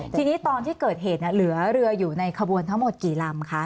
ทีนี้ตอนที่เกิดเหตุเหลือเรืออยู่ในขบวนทั้งหมดกี่ลำคะ